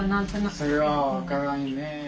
それは分からんよねえ。